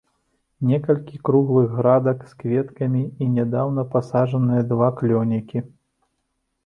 Некалькі круглых градак з кветкамі, і нядаўна пасаджаныя два клёнікі.